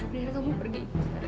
biar kamu pergi